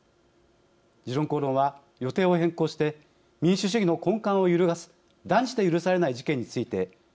「時論公論」は予定を変更して民主主義の根幹を揺るがす断じて許されない事件について山形解説委員とともに考えます。